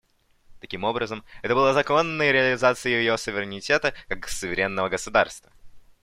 Таким образом, это было законной реализацией ее суверенитета как суверенного государства.